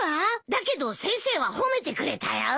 だけど先生は褒めてくれたよ。